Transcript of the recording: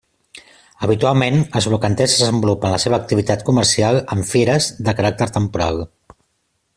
Habitualment els brocanters desenvolupen la seva activitat comercial en fires, de caràcter temporal.